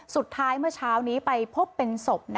เมื่อเช้านี้ไปพบเป็นศพ